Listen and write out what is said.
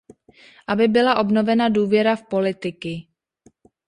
Aby byla obnovena důvěra v politiky.